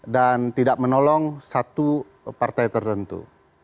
dan tidak menolong satu partai tertentu